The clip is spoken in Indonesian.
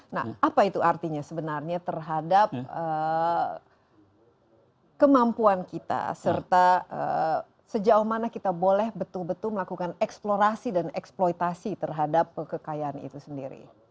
nah apa itu artinya sebenarnya terhadap kemampuan kita serta sejauh mana kita boleh betul betul melakukan eksplorasi dan eksploitasi terhadap kekayaan itu sendiri